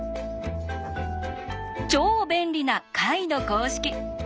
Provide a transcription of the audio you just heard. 超便利な解の公式。